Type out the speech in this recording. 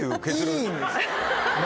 いいんですか？